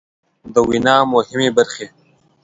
د وينا مهمې برخې